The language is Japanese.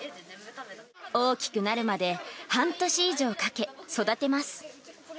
大きくなるまで半年以上かけ、育てます。